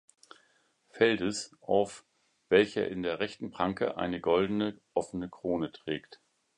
Feldes auf, welcher in der rechten Pranke eine goldene offene Krone trägt.